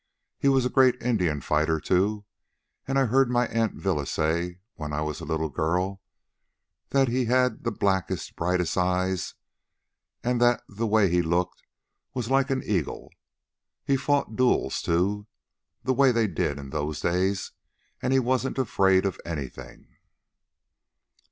He was a great Indian fighter, too, and I heard my Aunt Villa say, when I was a little girl, that he had the blackest, brightest eyes, and that the way he looked was like an eagle. He'd fought duels, too, the way they did in those days, and he wasn't afraid of anything.